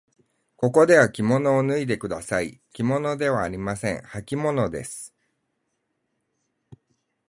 ここではきものを脱いでください。きものではありません。はきものです。